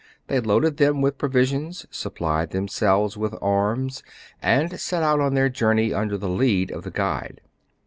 They loaded them with pro visions, supplied themselves with arms, and set out on their journey under the lead of the guide.